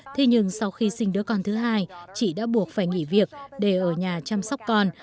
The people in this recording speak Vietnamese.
thế nhưng sau khi sinh đứa con thứ hai chị đã buộc phải nghỉ việc để ở nhà chăm sóc con